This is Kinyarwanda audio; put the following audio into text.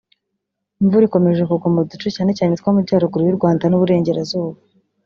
Imvura ikomeje kugwa mu duce cyane cyane tw’amajyaruguru y’u Rwanda n’u Burengerazuba